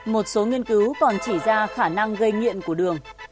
một số nghiên cứu còn chỉ ra khả năng gây nghiện của đường